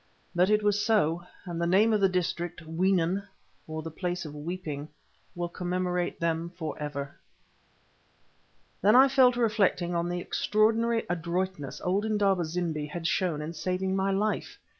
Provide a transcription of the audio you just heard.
But it was so, and the name of the district, Weenen, or the Place of Weeping, will commemorate them for ever. Then I fell to reflecting on the extraordinary adroitness old Indaba zimbi had shown in saving my life.